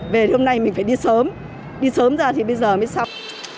về hôm nay mình phải đi sớm đi sớm ra thì bây giờ mới xong